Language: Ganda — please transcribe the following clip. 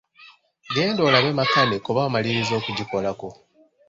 Genda olabe makanika oba amalirizza okugikolako.